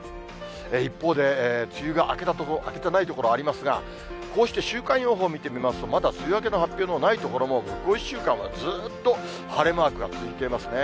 一方で、梅雨が明けた所、明けてない所ありますが、こうして、週間予報見てみますと、まだ梅雨明けの発表がない所も、ここ１週間はずっと晴れマークが続いていますね。